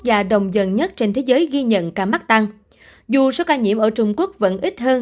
và đồng dần nhất trên thế giới ghi nhận ca mắc tăng dù số ca nhiễm ở trung quốc vẫn ít hơn